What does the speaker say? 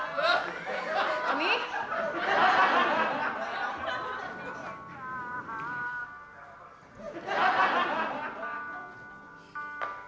pertama kali ga mau nunggu